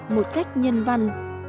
một cách nhân văn